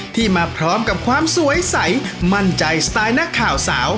ที่มาพร้อมกับความสวยใสมั่นใจสไตล์นักข่าวสาว